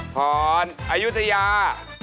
ฮร่อนอยุธยา